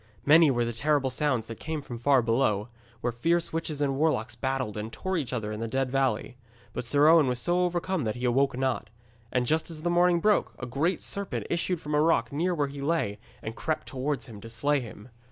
Many were the terrible sounds that came from far below, where fierce witches and warlocks battled and tore each other in the Dead Valley; but Sir Owen was so overcome that he awoke not. And just as the morning broke, a great serpent issued from a rock near where he lay and crept towards him to slay him.